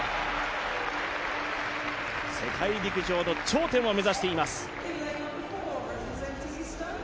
世界陸上の頂点を目指しています。